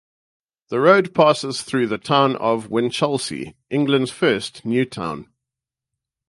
The road passes through the town of Winchelsea, England's first new town.